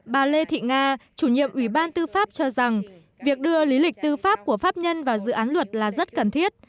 bà lê thị nga chủ nhiệm ủy ban tư pháp cho rằng việc đưa lý lịch tư pháp của pháp nhân vào dự án luật là rất cần thiết